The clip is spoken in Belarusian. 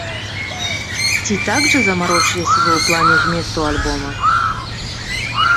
Ці так жа замарочыліся вы ў плане зместу альбома?